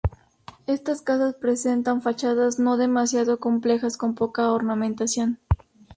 Estas casas presentan fachadas no demasiado complejas con poca ornamentación.